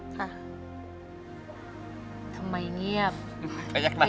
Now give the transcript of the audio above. ไปยักษ์นานอย่างเดียวไปยักษ์นานอย่างเดียว